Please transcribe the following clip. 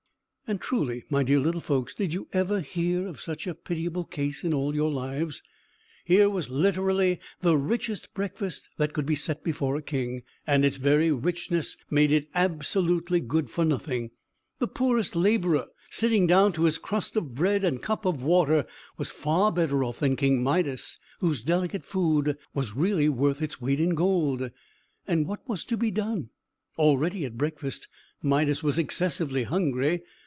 And, truly, my dear little folks, did you ever hear of such a pitiable case in all your lives? Here was literally the richest breakfast that could be set before a king, and its very richness made it absolutely good for nothing. The poorest labourer, sitting down to his crust of bread and cup of water, was far better off than King Midas, whose delicate food was really worth its weight in gold. And what was to be done? Already, at breakfast, Midas was excessively hungry.